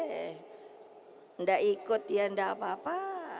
tidak ikut ya tidak apa apa